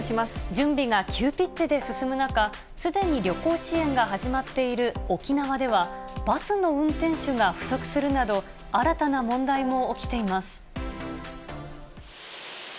準備が急ピッチで進む中、すでに旅行支援が始まっている沖縄では、バスの運転手が不足するなど、新たな問題も起きています。